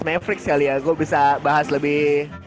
mavericks kali ya gue bisa bahas lebih